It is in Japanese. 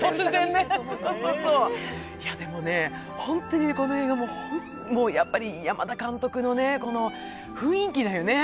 でもね、本当にこの映画もやっぱり山田監督の雰囲気だよね。